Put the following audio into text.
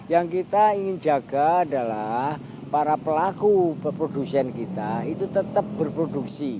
yang kita ingin jaga adalah para pelaku produsen kita itu tetap berproduksi